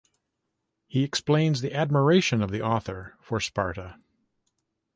He explains the admiration of the author for Sparta.